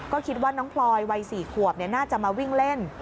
ก็คิดว่าน้องพลอยวัย๔ขวบน่าจะมาวิ่งเล่น